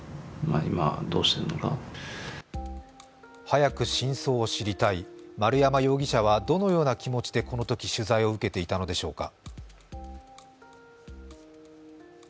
早く真相を知りたい、丸山容疑者はどのような気持ちでこのとき取材を受けていたのでしょうか。